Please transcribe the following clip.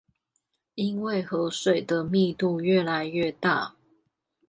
因為河水的密度愈來愈大